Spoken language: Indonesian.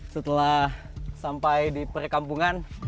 setelah sampai di perkampungan